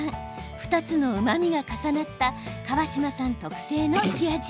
２つのうまみが重なった川島さん特製の冷や汁。